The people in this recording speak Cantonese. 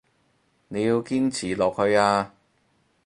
你要堅持落去啊